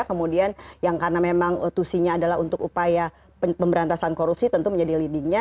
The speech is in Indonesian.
kemudian yang karena memang tusinya adalah untuk upaya pemberantasan korupsi tentu menjadi leadingnya